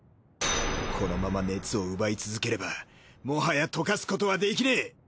このまま熱を奪い続ければもはや溶かすことはできねえ。